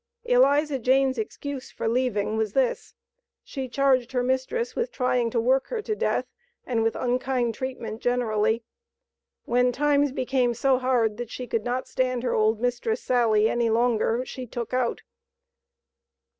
Eliza Jane's excuse for leaving was this: She charged her mistress with trying to work her to death, and with unkind treatment generally. When times became so hard that she could not stand her old mistress "Sally" any longer, she "took out."